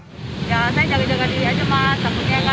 saya jaga jaga diri aja